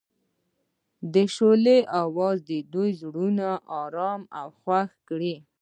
د شعله اواز د دوی زړونه ارامه او خوښ کړل.